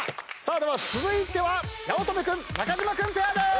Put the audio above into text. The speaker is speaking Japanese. では続いては八乙女君・中島君ペアでーす！